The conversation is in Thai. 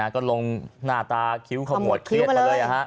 ก็ลงหน้าตาคิ้วขมวดเครียดมาเลย